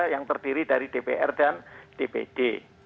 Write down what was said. yang terdiri dari dpr dan dpd